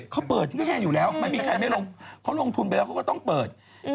เขาเปิดอยู่แล้วเค้าลงทุนไปแล้วก็ก็ต้องเปิด